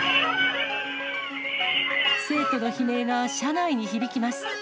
生徒の悲鳴が車内に響きます。